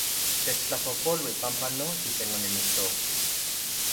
Techtlapojpolui panpa nochi tlen onimitstokti